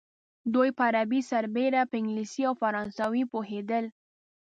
دوی په عربي سربېره په انګلیسي او فرانسوي پوهېدل.